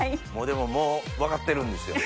でももう分かってるんですよ。